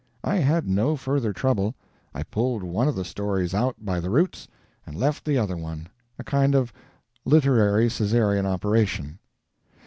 I had no further trouble. I pulled one of the stories out by the roots, and left the other one a kind of literary Caesarean operation.